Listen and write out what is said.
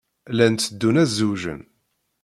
Llan teddun ad zewǧen.